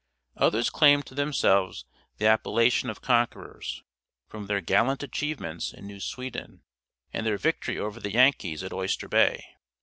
Others claimed to themselves the appellation of Conquerors, from their gallant achievements in New Sweden and their victory over the Yankees at Oyster Bay.